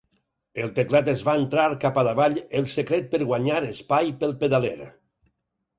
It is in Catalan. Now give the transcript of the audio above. El teclat es va entrar cap a davall el secret per guanyar espai pel pedaler.